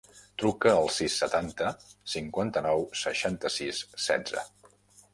Truca al sis, setanta, cinquanta-nou, seixanta-sis, setze.